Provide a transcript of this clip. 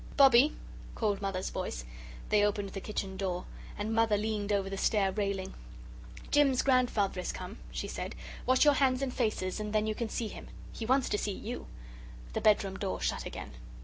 "Bobbie," called Mother's voice. They opened the kitchen door, and Mother leaned over the stair railing. "Jim's grandfather has come," she said; "wash your hands and faces and then you can see him. He wants to see you!" The bedroom door shut again.